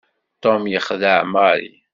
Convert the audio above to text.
Tom yexdeɛ Mary.